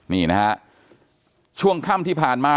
นี่นะฮะช่วงค่ำที่ผ่านมา